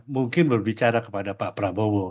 mungkin berbicara kepada pak prabowo